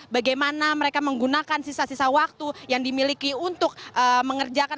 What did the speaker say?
bagaimana mereka menggunakan sisa sisa waktu yang dimiliki untuk mengerjakan